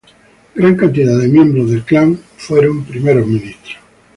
Gran cantidad de miembros del clan fueron Primeros Ministros.